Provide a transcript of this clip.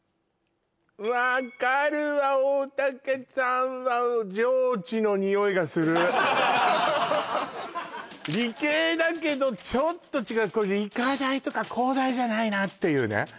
分かるわ大竹さんは上智のにおいがする理系だけどちょっと違う理科大とか工大じゃないなっていうね